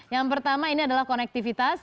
yang pertama ini adalah konektivitas